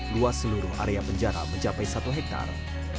luas seluruh area penjara mencapai satu hektare